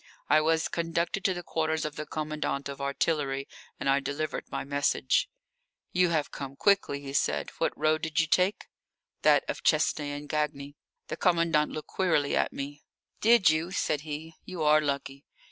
I was conducted to the quarters of the commandant of artillery and I delivered my message. "You have come quickly," he said. "What road did you take?" "That of Chesnay and Gagny." The commandant looked queerly at me. "Did you?" said he. "You are lucky.